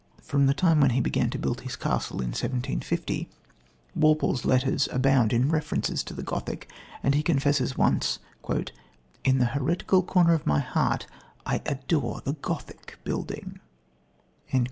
From the time when he began to build his castle, in 1750, Walpole's letters abound in references to the Gothic, and he confesses once: "In the heretical corner of my heart I adore the Gothic building."